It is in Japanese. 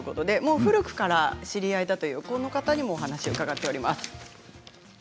古くから知り合いだというこの方にもお話を伺っています。